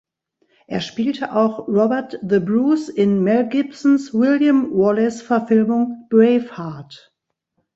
Er spielte auch Robert the Bruce in Mel Gibsons William Wallace-Verfilmung "Braveheart".